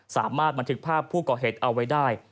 สามารถบันทึกภาพผู้ก่อเหตุเอาไว้ได้